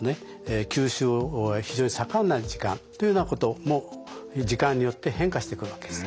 吸収は非常に盛んな時間というようなことも時間によって変化してくるわけです。